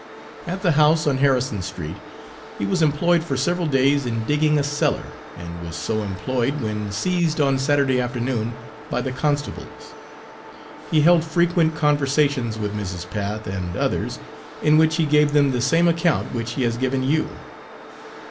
At the house on Harrison street, he was employed for several days in digging a cellar, and was so employed when seized on Saturday afternoon by the constables. He held frequent conversations with Mrs. Path and others, in which he gave them the same account which he has given you.